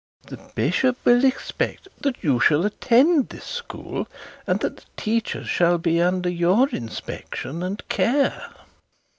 The bishop will expect that you shall attend this school, and the teachers shall be under your inspection and care.'